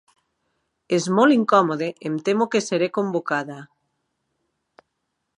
És molt incòmode, em temo que seré convocada.